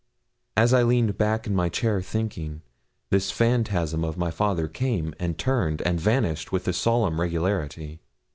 As I leaned back in my chair thinking, this phantasm of my father came, and turned, and vanished with a solemn regularity.